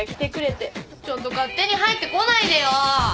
ちょっと勝手に入ってこないでよ。